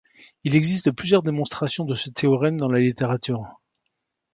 Il existe plusieurs démonstrations de ce théorème dans la littérature.